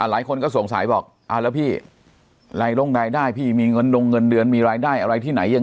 หลายคนก็สงสัยบอกแล้วพี่รายลงรายได้พี่มีเงินดงเงินเดือนมีรายได้อะไรที่ไหนยังไง